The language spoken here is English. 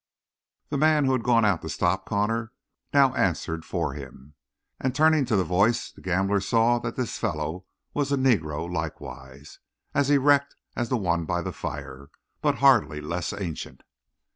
The man who had gone out to stop Connor now answered for him, and turning to the voice the gambler saw that this fellow was a Negro likewise; as erect as the one by the fire, but hardly less ancient.